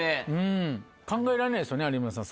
考えられないですよね有村さん。